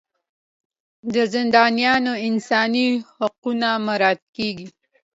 د زندانیانو انساني حقونه مراعات کیږي.